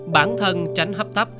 bản thân tránh hấp tấp